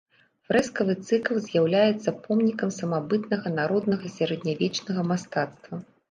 Фрэскавы цыкл з'яўляецца помнікам самабытнага народнага сярэднявечнага мастацтва.